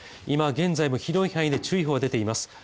今現在も広い範囲で注意報が出ています